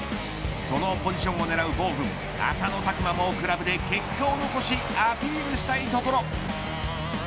そのポジションを狙う浅野拓磨も結果を残しアピールしたいところ。